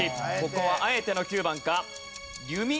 ここはあえての９番か？